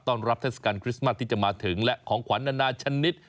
ตอนรับเทศกรรมคริสต์มัตต์ที่จะมาถึงแล้วของขวัญนานาชนิด